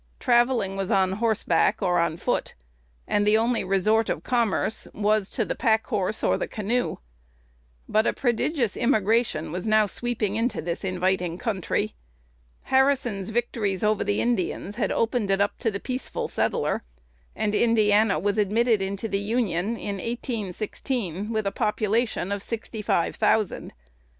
Travelling was on horseback or on foot, and the only resort of commerce was to the pack horse or the canoe. But a prodigious immigration was now sweeping into this inviting country. Harrison's victories over the Indians had opened it up to the peaceful settler; and Indiana was admitted into the Union in 1816, with a population of sixty five thousand.